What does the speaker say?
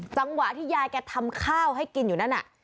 จังหวะที่ยายแกทำข้าวให้กินอยู่นั่นน่ะ